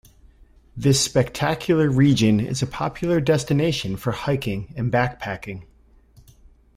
This spectacular region is a popular destination for hiking and backpacking.